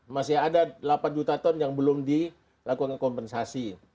masih ada delapan juta ton yang belum dilakukan kompensasi